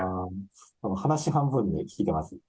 話半分に聞いてます。